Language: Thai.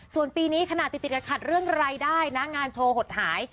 ส่วนปีนี้ขนาดติดกับขัดเรื่องรายได้นะงานโชว์หดหาย